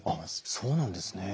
そうなんですね。